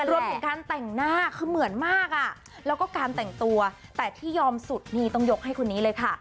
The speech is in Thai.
รวมถึงการแต่งหน้าคือเหมือนมากอ่ะแล้วก็การแต่งตัวแต่ที่ยอมสุดนี่ต้องยกให้คนนี้เลยค่ะ